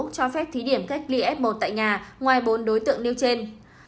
cho phép thí điểm cách ly f một tại nhà ngoài bốn đối tượng nêu trên